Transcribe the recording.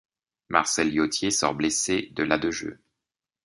Marcel Lyothier sort blessé dès la de jeu.